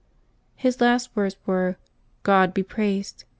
His last words were, " God be praised